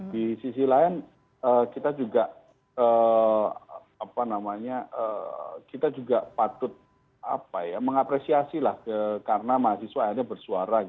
di sisi lain kita juga patut mengapresiasi karena mahasiswa akhirnya bersuara